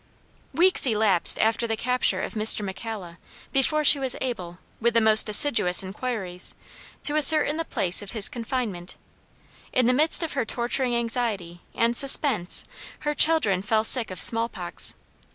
Weeks elapsed after the capture of Mr. McCalla, before she was able, with the most assiduous inquiries, to ascertain the place of his confinement. In the midst of her torturing anxiety and suspense her children fell sick of small pox.